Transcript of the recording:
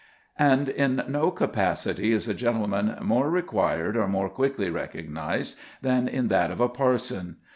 And in no capacity is a gentleman more required or more quickly recognized than in that of a parson.